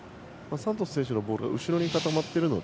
サントス選手のボールは後ろに固まっているので。